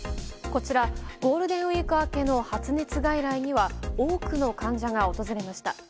こちらゴールデンウィーク明けの発熱外来には多くの患者が訪れました。